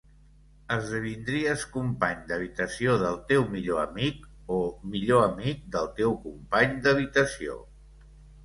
Esdevindries company d'habitació del teu millor amic o millor amic del teu company d'habitació?